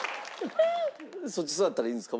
そっち座ったらいいんですか？